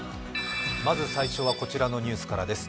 まず最初はこちらのニュースからです。